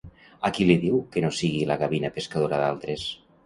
A qui li diu que no sigui la gavina pescadora d'altres?